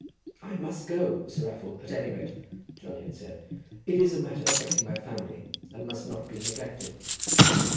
"I must go, Sir Raffle, at any rate," Johnny had said; "it is a matter affecting my family, and must not be neglected."